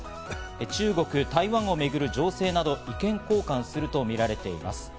中国・台湾をめぐる情勢など、意見交換するとみられています。